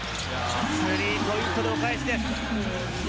スリーポイントでお返しです。